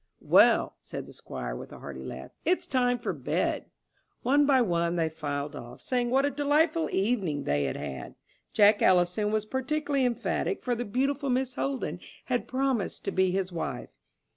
"Well," said the Squire, with a hearty laugh, "it's time for bed." One by one they filed off, saying what a delightful evening they had had. Jack Ellison was particularly emphatic, for the beautiful Miss Holden had promised to be his wife.